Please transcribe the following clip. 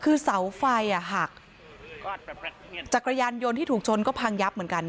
คือเสาไฟหักจักรยานยนต์ที่ถูกชนก็พังยับเหมือนกัน